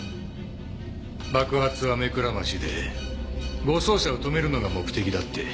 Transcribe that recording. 爆発は目くらましで護送車を止めるのが目的だって。